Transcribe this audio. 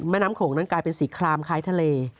น้ำโขงนั้นกลายเป็นสีคลามคล้ายทะเล